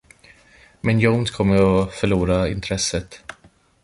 Men Jones kommer att förlora intresset.